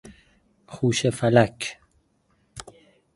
خوشه فلک